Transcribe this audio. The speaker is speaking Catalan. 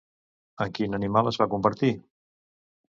En quin animal es va convertir?